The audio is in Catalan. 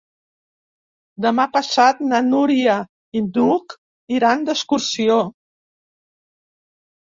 Demà passat na Núria i n'Hug iran d'excursió.